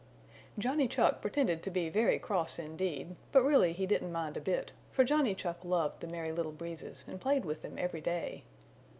Johnny Chuck pretended to be very cross indeed, but really he didn't mind a bit, for Johnny Chuck loved the Merry Little Breezes and played with them everyday.